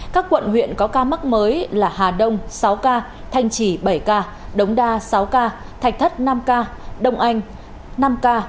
các quận huyện có ca mắc mới là hà đông sáu ca thanh trì bảy ca đống đa sáu ca thạch thất năm ca đông anh năm ca